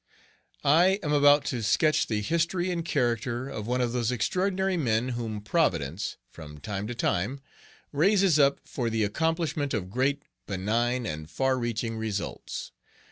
I AM about to sketch the history and character of one of those extraordinary men, whom Providence, from time to time, raises up for the accomplishment of great, benign, and far reaching results.